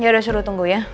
ya udah suruh tunggu ya